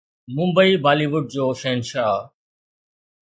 Mumbai Bollywood جو شهنشاهه